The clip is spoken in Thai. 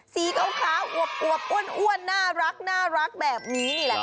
สีเกาขาอวบอ้วนน่ารักแบบนี้แหละค่ะ